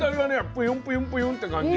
プユンプユンプユンって感じ。